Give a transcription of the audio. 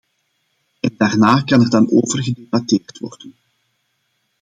En daarna kan er dan over gedebatteerd worden.